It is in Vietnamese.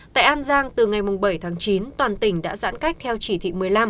tại an giang từ ngày bảy tháng chín toàn tỉnh đã giãn cách theo chỉ thị một mươi năm